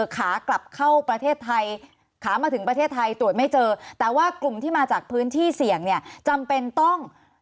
ขากลับเข้าประเทศไทยขามาถึงประเทศไทยตรวจไม่เจอแต่ว่ากลุ่มที่มาจากพื้นที่เสี่ยงเนี่ยจำเป็นต้อง